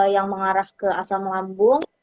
yang mengarah ke asam lambung